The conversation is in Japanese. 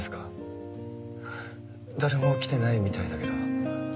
誰も来てないみたいだけど。